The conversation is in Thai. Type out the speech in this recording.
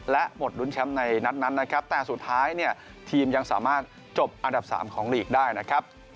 และหมดรุ้นแชมป์ในนัดนั้นนะครับแต่สุดท้ายเนี่ยทีมยังสามารถจบอันดับ๓ของลีกได้นะครับ